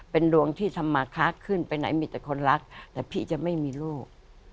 เป็นดวงที่ธรรมาคะขึ้นไปไหนมีแต่คนรักแต่พี่จะไม่มีลูก